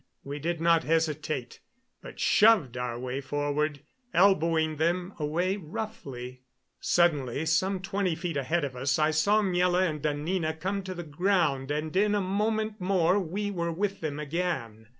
We did not hesitate, but shoved our way forward, elbowing them away roughly. Suddenly, some twenty feet ahead of us, I saw Miela and Anina come to the ground, and in a moment more we were with them again.